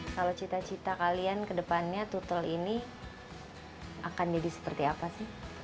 kalau cita cita kalian ke depannya tutel ini akan jadi seperti apa sih